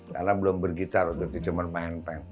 karena belum bergitar udah dicemerl main main